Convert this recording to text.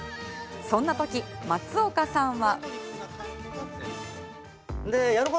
そんなとき松岡さんは。